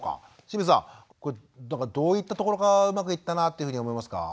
清水さんどういったところがうまくいったなというふうに思いますか。